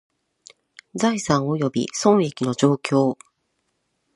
財産および損益の状況